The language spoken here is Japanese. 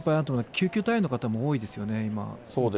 救急隊員の方も多いですよね、今、見てると。